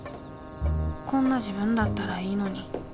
こんな自分だったらいいのに。